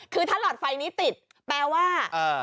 คือถ้าหลอดไฟนี้ติดแปลว่า